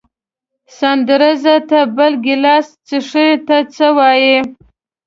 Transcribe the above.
ساندرزه ته بل ګیلاس څښې، ته څه وایې؟